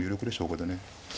これでね。